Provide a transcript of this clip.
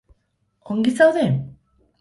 Ongi zaude?